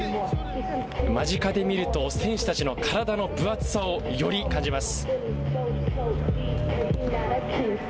間近で見ると、選手たちの体の分厚さをより感じます。